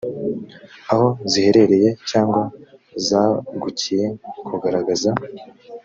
aho ziherereye cyangwa zagukiye kugaragaza